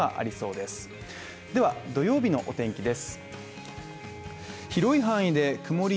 では、土曜日のお天気です。